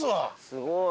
すごい。